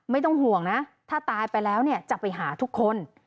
ไม่ต้องห่วงนะถ้าตายไปแล้วเนี่ยจะไปหาทุกคน